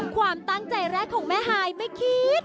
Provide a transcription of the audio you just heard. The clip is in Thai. ความตั้งใจแรกของแม่ฮายไม่คิด